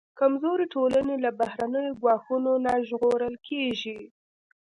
کمزورې ټولنې له بهرنیو ګواښونو نه ژغورل کېږي.